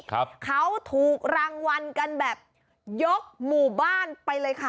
ครับเขาถูกรางวัลกันแบบยกหมู่บ้านไปเลยค่ะ